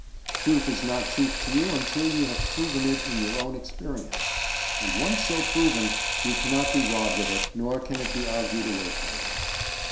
Truth is not truth to you until you have proven it in your own experience, and once so proven you cannot be robbed of it, nor can it be argued away from you.